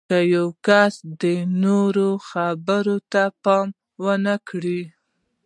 که یو کس د نورو خبرو ته پام ونه کړي